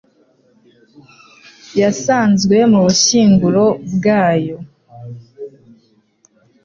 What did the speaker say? yasanzwe mu bushyinguro bwayo